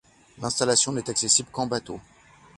L'installation n'est accessible qu'en bateau.